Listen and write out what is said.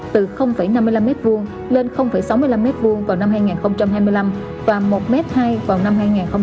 từ năm mươi năm m hai lên sáu mươi năm m hai vào năm hai nghìn hai mươi năm và một m hai vào năm hai nghìn hai mươi